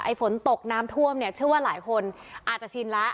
ฝนตกน้ำท่วมเนี่ยเชื่อว่าหลายคนอาจจะชินแล้ว